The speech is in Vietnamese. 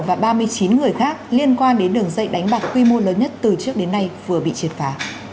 và ba mươi chín người khác liên quan đến đường dây đánh bạc quy mô lớn nhất từ trước đến nay vừa bị triệt phá